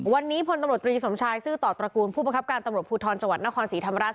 วันนี้พลตำรวจตรีสมชายซื่อต่อตระกูลผู้บังคับการตำรวจภูทรจังหวัดนครศรีธรรมราช